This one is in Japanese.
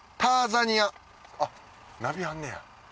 あっナビあんねや。